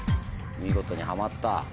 見事にはまった。